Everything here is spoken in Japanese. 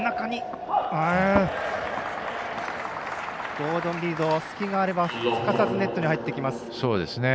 ゴードン・リード隙があればすかさずネットに入ってきます。